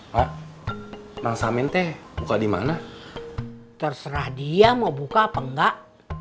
mak nangsamen teh buka dimana terserah dia mau buka apa enggak